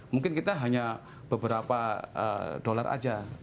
mungkin kita hanya beberapa dolar aja